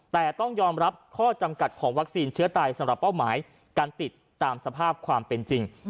แต่ต้องยอมรับข้อจำกัดของวัคซีนเชื้อไตสำหรับเป้าหมายการติดตามสภาพความเป็นจริง